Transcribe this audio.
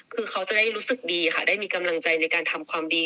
คือเขาจะได้รู้สึกดีค่ะได้มีกำลังใจในการทำความดี